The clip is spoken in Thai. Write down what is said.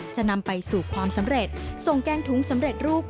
จะนำไปสู่ความสำเร็จส่งแกงถุงสำเร็จรูป